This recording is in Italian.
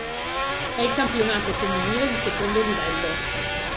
È il campionato femminile di secondo livello.